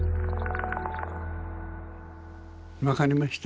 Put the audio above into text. わかりました？